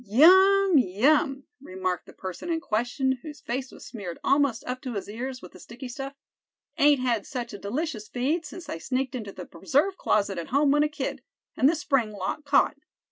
"Yum! yum!" remarked the person in question, whose face was smeared almost up to his ears with the sticky stuff; "ain't had such a delicious feed since I sneaked into the preserve closet at home when a kid, and the spring lock caught.